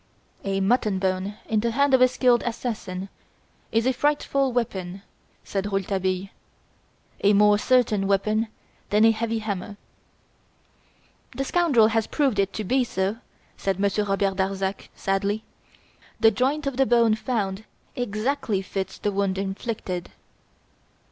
"A mutton bone in the hand of a skilled assassin is a frightful weapon," said Rouletabille, "a more certain weapon than a heavy hammer." "The scoundrel has proved it to be so," said Monsieur Robert Darzac, sadly. "The joint of the bone found exactly fits the wound inflicted.